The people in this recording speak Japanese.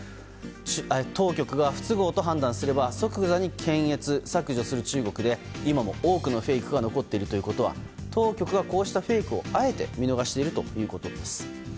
当局が不都合と判断すれば即座に検閲・削除する中国で今も多くのフェイクが残っているということは当局がこうしたフェイクをあえて見逃しているということです。